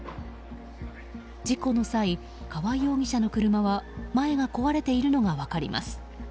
事故の際、川合容疑者の車は前が壊れているのが分かります。